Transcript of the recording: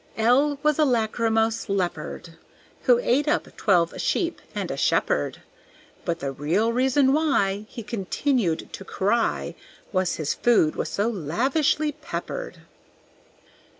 L was a lachrymose Leopard, Who ate up twelve sheep and a shepherd, But the real reason why He continued to cry Was his food was so lavishly peppered.